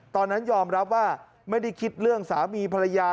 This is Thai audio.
ตอนนั้นยอมรับว่าไม่ได้คิดเรื่องสามีภรรยา